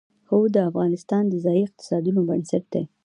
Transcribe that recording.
هوا د افغانستان د ځایي اقتصادونو بنسټ دی.